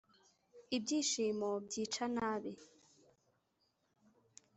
- 'ibyishimo byica nabi